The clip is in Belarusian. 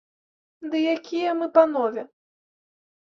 Ды якія мы панове!